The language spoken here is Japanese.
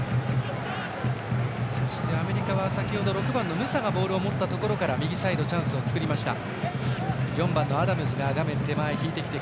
そしてアメリカはムサがボールを持ったところから右サイドでチャンスを作りました。